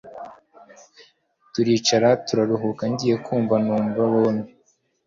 turicara turaruhuka, ngiye kumva numva bobi